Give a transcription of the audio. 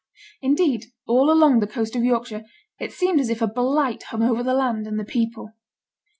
Indeed, all along the coast of Yorkshire, it seemed as if a blight hung over the land and the people.